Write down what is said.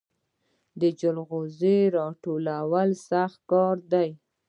د جلغوزیو راټولول سخت کار دی